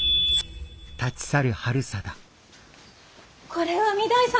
これは御台様。